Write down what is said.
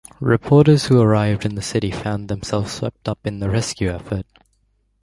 Reporters who arrived in the city found themselves swept up in the rescue effort.